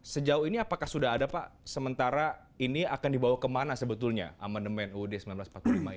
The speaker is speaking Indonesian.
sejauh ini apakah sudah ada pak sementara ini akan dibawa kemana sebetulnya amandemen uud seribu sembilan ratus empat puluh lima ini